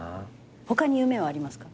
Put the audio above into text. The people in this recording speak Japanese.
他に夢はありますか？